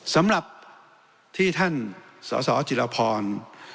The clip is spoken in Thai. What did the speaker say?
สำหรับที่ท่านสสจิรพร